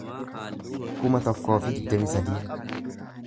kuma tokkoo fi digdamii sadii